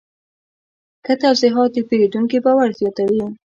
ښه توضیحات د پیرودونکي باور زیاتوي.